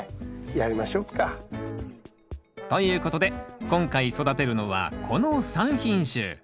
やりましょうか。ということで今回育てるのはこの３品種。